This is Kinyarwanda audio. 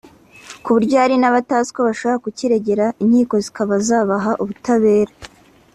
kuburyo hari n’abatazi ko bashobora kukiregera inkiko zikaba zabaha ubutabera